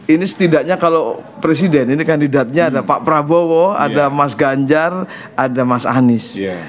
ini setidaknya kalau presiden ini kandidatnya ada pak prabowo ada mas ganjar ada mas anies